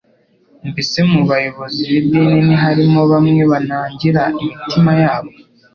Mbese mu bayobozi b'idini ntiharimo bamwe banangira imitima yabo